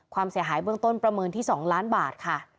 ความเสียหายเบื้องต้นประเมินที่๒ล้านบาทค่ะ